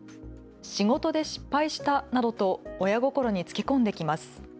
仕事で失敗したなどと親心につけ込んできます。